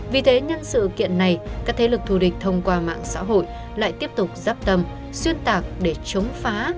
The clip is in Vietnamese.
vì thế nhân sự kiện này các thế lực thù địch thông qua mạng xã hội lại tiếp tục dắp tâm xuyên tạc để chống phá